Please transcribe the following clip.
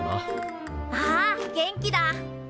ああ元気だ。